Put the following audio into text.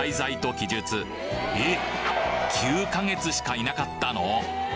９ヶ月しかいなかったの？